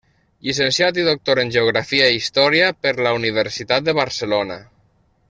Llicenciat i doctor en Geografia i Història per la Universitat de Barcelona.